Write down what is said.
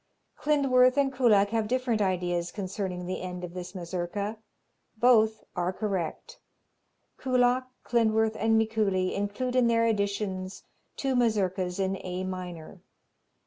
Klindworth and Kullak have different ideas concerning the end of this Mazurka. Both are correct. Kullak, Klindworth and Mikuli include in their editions two Mazurkas in A minor.